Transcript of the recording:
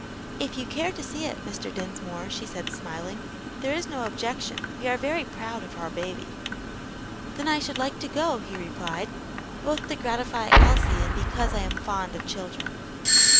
"If you care to see it, Mr. Dinsmore," she said, smiling, "there is no objection; we are very proud of our baby." "Then I should like to go," he replied, "both to gratify Elsie and because I am fond of children."